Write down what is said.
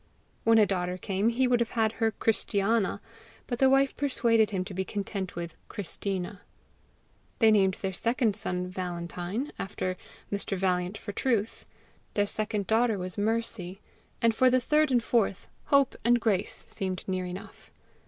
When a daughter came, he would have had her Christiana, but his wife persuaded him to be content with Christina. They named their second son Valentine, after Mr. Valiant for truth. Their second daughter was Mercy; and for the third and fourth, Hope and Grace seemed near enough.